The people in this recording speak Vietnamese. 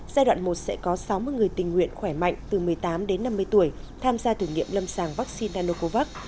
giai đoạn một sẽ có sáu mươi người tình nguyện khỏe mạnh từ một mươi tám đến năm mươi tuổi tham gia thử nghiệm lâm sàng vaccine nanocovax